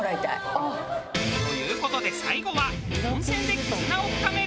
あっ。という事で最後は温泉で絆を深める。